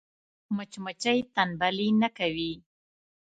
مچمچۍ تنبلي نه کوي